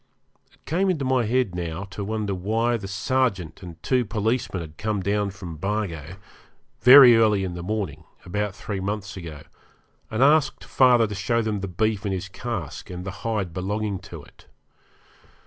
It came into my head now to wonder why the sergeant and two policemen had come down from Bargo, very early in the morning, about three months ago, and asked father to show them the beef in his cask, and the hide belonging to it.